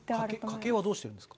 家計はどうしてるんですか。